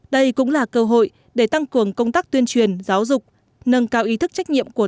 đây cũng là cơ hội để tăng cường công tác tuyên truyền giáo dục nâng cao ý thức trách nhiệm của